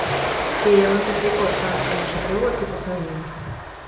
Si, eu empecei co Orzán, cando se creou o equipo feminino.